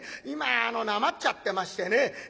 今あのなまっちゃってましてね。